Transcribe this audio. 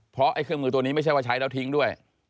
เพราะไอ้เครื่องมือตัวนี้ไม่ใช่ว่าใช้แล้วทิ้งด้วย